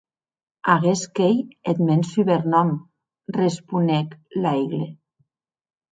Aguest qu’ei eth mèn subernòm, responec Laigle.